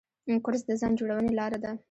کورس د ځان جوړونې لاره ده.